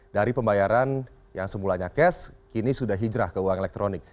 dari pembayaran yang semulanya cash kini sudah hijrah ke uang elektronik